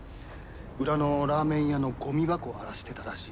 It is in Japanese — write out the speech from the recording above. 裏のラーメン屋のゴミ箱を荒らしてたらしい。